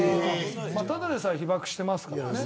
ただでさえ被ばくしていますからね。